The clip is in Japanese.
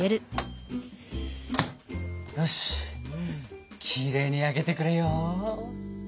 よしきれいに焼けてくれよ。